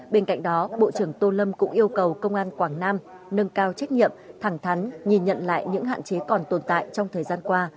bên cạnh đó bộ trưởng tô lâm cũng yêu cầu công an quảng nam nâng cao trách nhiệm thẳng thắn nhìn nhận lại những hạn chế còn tồn tại trong thời gian qua